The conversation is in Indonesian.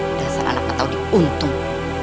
udah asal anaknya tau di untung